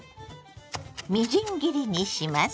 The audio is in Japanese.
みじん切りにします。